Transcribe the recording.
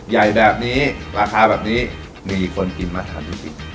ใหญ่แบบนี้ราคาแบบนี้มีคนกินมาทานดูสิ